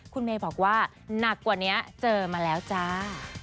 คุณเมย์บอกว่าหนักกว่านี้เจอมาแล้วจ้า